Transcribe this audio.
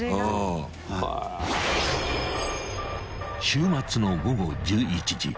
［週末の午後１１時］